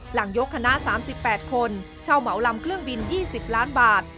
หลังยกคณะ๓๘คนเช่าเหมาลำเครื่องบิน๒๐ล้านบาท